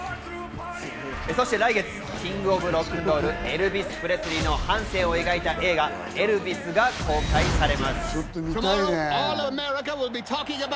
そして来月、キング・オブ・ロックンロール、エルヴィス・プレスリーの半生を描いた映画『エルヴィス』が公開されます。